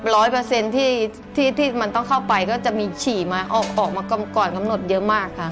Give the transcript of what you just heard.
ร้อยเปอร์เซ็นต์ที่ที่มันต้องเข้าไปก็จะมีฉี่มาออกมาก่อนกำหนดเยอะมากค่ะ